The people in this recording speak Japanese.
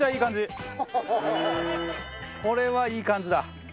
これはいい感じだ。